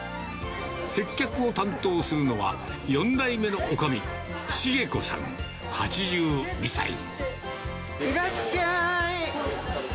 接客を担当するのは、４代目のおかみ、いらっしゃーい。